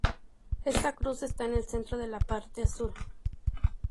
Esta cruz está en el centro de la parte azul.